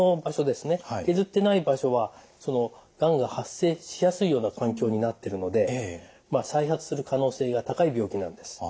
削ってない場所はがんが発生しやすいような環境になってるので再発する可能性が高い病気なんです。